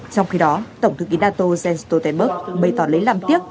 trong khi đó tổng thư ký nato jens stoltenberg bày tỏ lấy làm tiếc